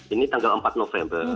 ini tanggal empat november